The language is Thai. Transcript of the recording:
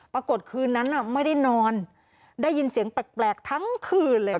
ปรากฏคืนนั้นน่ะไม่ได้นอนได้ยินเสียงแปลกทั้งคืนเลยค่ะ